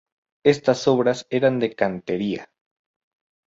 Estas obras eran de cantería.